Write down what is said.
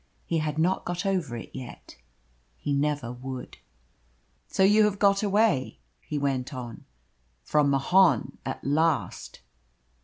He had not got over it yet. He never would. "So you have got away," he went on, "from Mahon at last?"